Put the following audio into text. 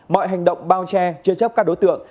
mọi hành động bao che chế chấp các đối tượng